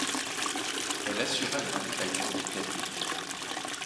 Elle assura le ravitaillement des têtes de pont.